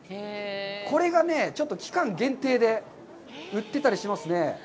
これがちょっと期間限定で売ってたりしますね。